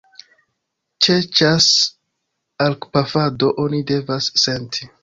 Ĉe ĉas-arkpafado oni devas senti.